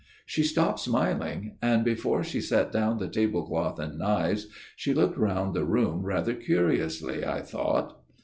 She stopped smiling, and before she set down the tablecloth and knives she looked round the room rather curiously, I thought.